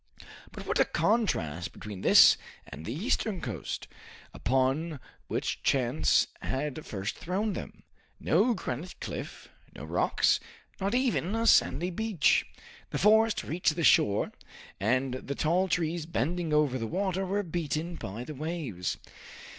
But what a contrast between this and the eastern coast, upon which chance had first thrown them. No granite cliff, no rocks, not even a sandy beach. The forest reached the shore, and the tall trees bending over the water were beaten by the waves.